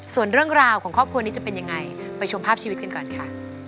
ส่วนเรื่องราวของครอบครัวนี้จะเป็นยังไงไปชมภาพชีวิตกันก่อนค่ะ